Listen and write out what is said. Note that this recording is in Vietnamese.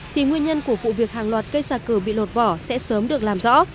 thì nguyên nhân của vụ việc hàng loạt cây xà cừ bị lột vỏ sẽ sớm được làm rõ